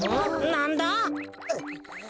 なんだ？